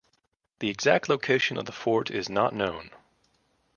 The exact location of the fort is not known.